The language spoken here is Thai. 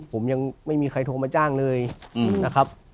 ผมยังไม่มีใครโทรมาจ้างเลยนะครับ